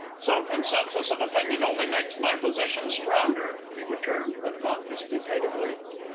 "Such consensus of opinion only makes my position stronger," he returned, but not disputatively.